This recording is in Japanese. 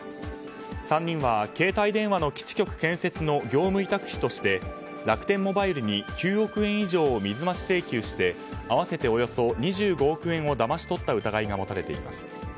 ３人は携帯電話の基地局建設の業務委託費として楽天モバイルに９億円以上を水増し請求して合わせておよそ２５億円をだまし取った疑いが持たれています。